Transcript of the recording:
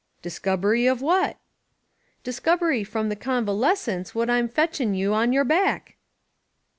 "Discobery of what?" "Discobery from the convalescence what am fetching you on yo'r back."